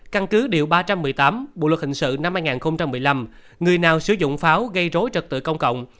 căn cứ điều ba trăm một mươi tám bộ luật hình sự năm hai nghìn một mươi năm người nào sử dụng pháo gây rối trật tự công cộng